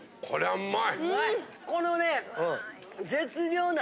うまい！